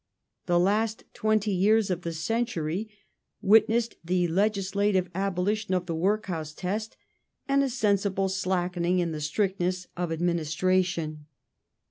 The last twenty yeai's of the century witnessed the legislative abolition of the " Workhouse test" and a sensible slackening in the strictness of administration.